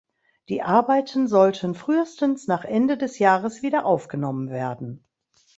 Die Arbeiten sollten frühestens nach Ende des Jahres wieder aufgenommen werden.